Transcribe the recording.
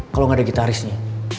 kalo gak ada gitarisnya